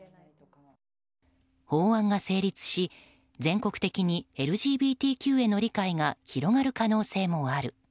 法案が成立し全国的にＬＧＢＴＱへの理解が広がる可能性もある